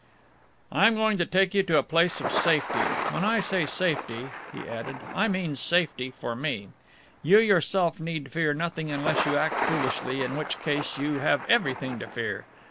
"I am going to take you to a place of safety. When I say safety," he added, "I mean safety for me. You yourself need fear nothing unless you act foolishly, in which case you have everything to fear.